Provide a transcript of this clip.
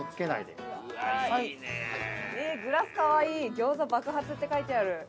「餃子爆発」って書いてある。